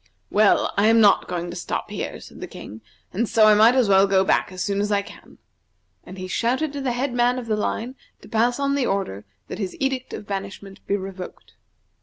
"Well, I am not going to stop here," said the King, "and so I might as well go back as soon as I can." And he shouted to the head man of the line to pass on the order that his edict of banishment be revoked.